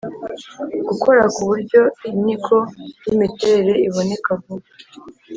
Gukora ku buryo inyigo y’imiterere iboneka vuba